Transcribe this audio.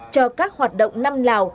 cho các hoạt động năm lào